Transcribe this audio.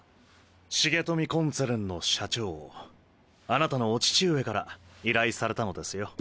重富コンツェルンの社長あなたのお父上から依頼されたのですよ。